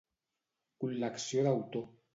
Col·lecció d'autor.